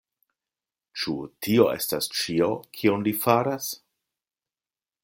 Ĉu tio estas ĉio, kion li faras?